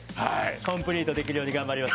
コンプリートできるように頑張ります。